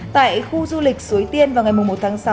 tại khu du lịch suối tiên vào ngày một tháng sáu